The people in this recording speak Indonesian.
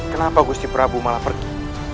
kenapa gusti prabu malah pergi